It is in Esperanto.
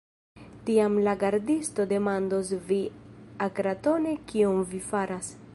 Tiam la gardisto demandos vin akratone, kion vi faras.